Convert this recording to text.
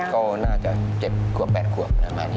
ก็น่าจะ๗ขวบ๘ขวบประมาณนี้